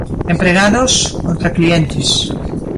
Empregados contra clientes.